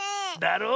だろ？